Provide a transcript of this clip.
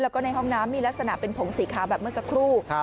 แล้วก็ในห้องน้ำมีลักษณะเป็นผงสีขาวแบบเมื่อสักครู่